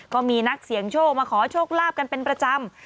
ก็มีนักเสี่ยงโชคมาขอโชคลาภกันเป็นประจำ